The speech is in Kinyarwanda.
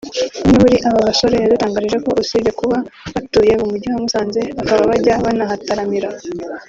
umwe muri aba basore yadutangarije ko usibye kuba batuye mu mujyi wa Musanze bakaba bajya banahataramira